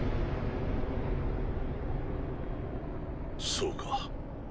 そうか。